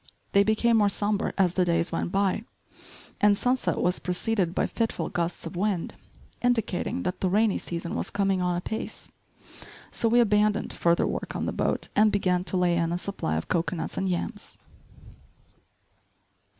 They became more sombre as the days went by, and sunset was preceded by fitful gusts of wind, indicating that the rainy season was coming on apace. So we abandoned further work on the boat and began to lay in a supply of cocoanuts and yams.